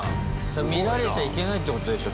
見られちゃいけないってことでしょ